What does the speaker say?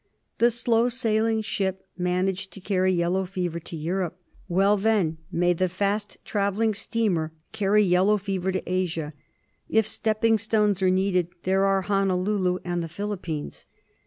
The slow sailing ship managed to carry yellow fever to Europe ; well then may the fast travelling steamer carry yellow fever to Asia. If step ping stones are needed, there are Honolulu and the Philippines.